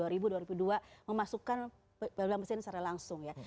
kita memasukkan pelaburan presiden secara langsung ya